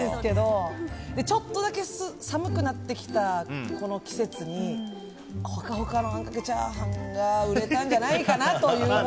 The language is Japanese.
ちょっとだけ寒くなってきたこの季節にほかほかのあんかけ炒飯が売れたんじゃないかなという。